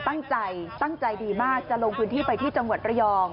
ตั้งใจตั้งใจดีมากจะลงพื้นที่ไปที่จังหวัดระยอง